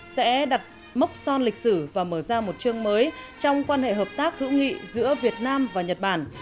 sẽ đặt mốc son lịch sử và mở ra một chương mới trong quan hệ hợp tác hữu nghị giữa việt nam và nhật bản